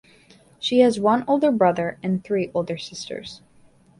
She has one older brother and three older sisters.